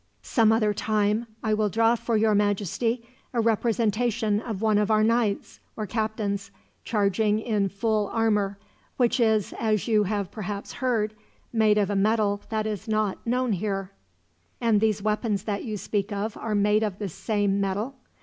Some other time I will draw for your Majesty a representation of one of our knights, or captains, charging in full armor; which is, as you have perhaps heard, made of a metal that is not known here." "And these weapons that you speak of are made of the same metal?"